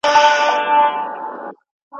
ما به مي وروستی نفس تاته در لېږلی وي